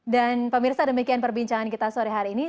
dan pak mirsa demikian perbincangan kita sore hari ini